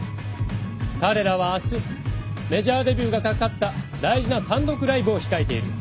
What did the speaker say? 彼らは明日メジャーデビューが懸かった大事な単独ライブを控えている。